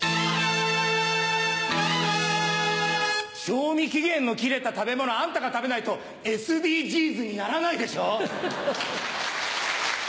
賞味期限の切れた食べ物あんたが食べないとＳＤＧｓにならないでしょ。